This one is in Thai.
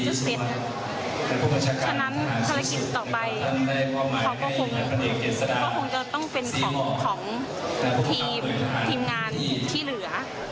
ก็คงจะต้องเป็นของทีมงานที่เหลือ